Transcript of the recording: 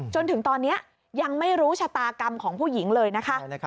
จนถึงตอนนี้ยังไม่รู้ชะตากรรมของผู้หญิงเลยนะคะ